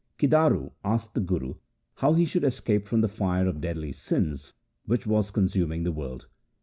Kidaru asked the Guru how he should escape from the fire of the deadly sins which was consuming the world.